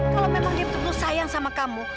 kalau memang dia betul sayang sama kamu